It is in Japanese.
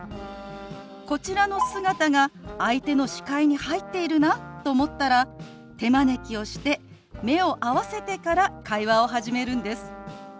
こちらの姿が相手の視界に入っているなと思ったら手招きをして目を合わせてから会話を始めるんです。